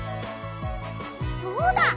そうだ！